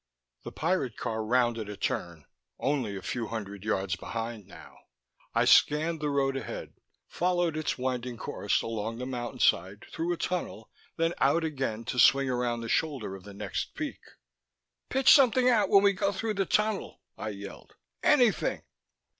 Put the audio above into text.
The pirate car rounded a turn, only a few hundred yards behind now. I scanned the road ahead, followed its winding course along the mountainside, through a tunnel, then out again to swing around the shoulder of the next peak. "Pitch something out when we go through the tunnel!" I yelled. "Anything!"